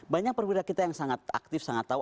banyak perwira kita yang sangat aktif sangat tahu